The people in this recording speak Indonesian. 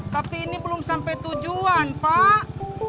tapi ini belum sampai tujuan pak